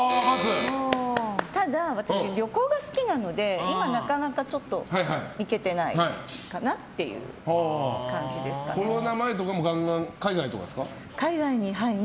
ただ、私は旅行が好きなので今、なかなか行けてないかなっていう感じですかね。